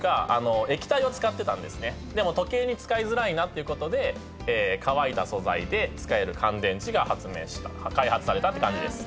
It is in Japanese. でも時計に使いづらいってことで乾いた素材で使える乾電池が開発されたって感じです。